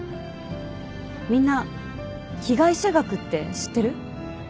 みんな被害者学って知ってる？